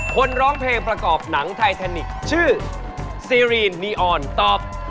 ร้องเพลงประกอบหนังไทแทนิกชื่อซีรีนนีออนตอบ